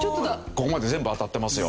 ここまで全部当たってますよ。